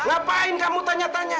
ngapain kamu tanya tanya